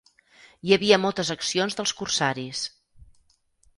Hi havia moltes accions dels corsaris.